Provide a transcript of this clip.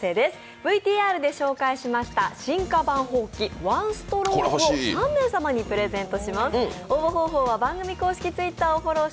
ＶＴＲで紹介されました進化版ほうきワンストロークを３名様にプレゼントします。